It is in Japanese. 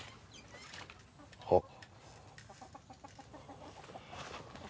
あっ。